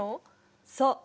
そう。